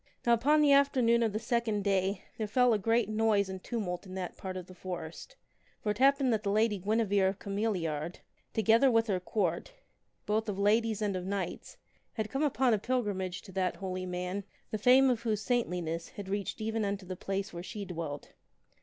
Now upon the afternoon of the second day there fell a great noise and tumult in that part of the forest. For it happened that the Lady Guine vere of Cameliard, together with her Court, both of ladies and of knights, had come upon a pilgrimage to that holy man, the fame of whose saintli ness had reached even unto the place where she dwelt.